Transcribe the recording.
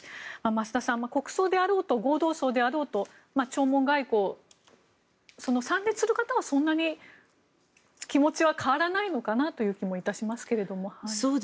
増田さん、国葬であろうと合同葬であろうと弔問外交、参列する方は気持ちは変わらないのかなという気も致しますけども。